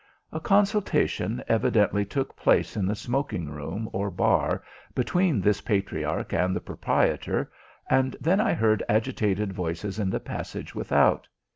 A consultation evidently took place in the smoking room or bar between this patriarch and the proprietor, and then I heard agitated voices in the passage without.